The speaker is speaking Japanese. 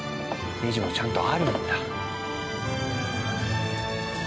ネジもちゃんとあるんだ。